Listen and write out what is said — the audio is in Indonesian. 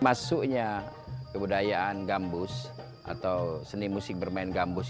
masuknya kebudayaan gambus atau seni musik bermain gambus